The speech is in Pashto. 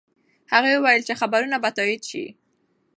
هغه وویل چې خبرونه به تایید شي.